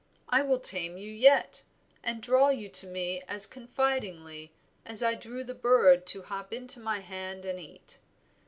I will tame you yet, and draw you to me as confidingly as I drew the bird to hop into my hand and eat.